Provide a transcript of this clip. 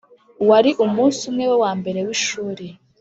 wari umunsi we wa mbere w'ishuri.